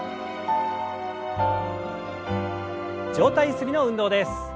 上体ゆすりの運動です。